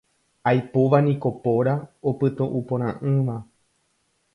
Aipóva niko póra opytu'uporã'ỹva.